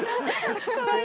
かわいい。